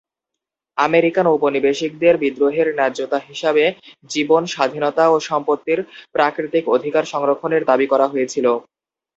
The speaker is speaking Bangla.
আমেরিকান ঔপনিবেশিকদের বিদ্রোহের ন্যায্যতা হিসাবে জীবন, স্বাধীনতা ও সম্পত্তির প্রাকৃতিক অধিকার সংরক্ষণের দাবি করা হয়েছিল।